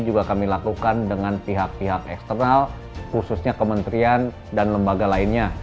juga kami lakukan dengan pihak pihak external khususnya kementrian dan lembaga lain nya